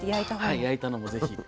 はい焼いたのもぜひ。